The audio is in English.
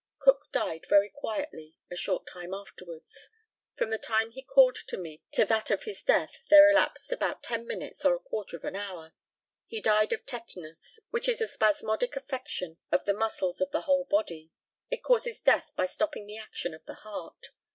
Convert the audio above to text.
Cook died very quietly a very short time afterwards. From the time he called to me to that of his death there elapsed about ten minutes or a quarter of an hour. He died of tetanus, which is a spasmodic affection of the muscles of the whole body. It causes death by stopping the action of the heart.